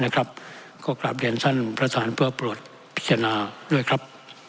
ก็กลับเรียนท่านประธานเพื่อโปรดพิจารณาด้วยครับ